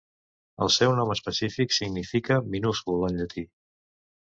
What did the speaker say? El seu nom específic significa 'minúscul' en llatí.